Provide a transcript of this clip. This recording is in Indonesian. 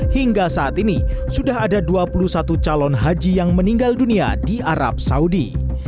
hingga saat ini sudah ada dua puluh satu calon haji yang meninggal dunia di arab saudi